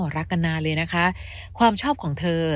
รักกันนานเลยนะคะความชอบของเธอ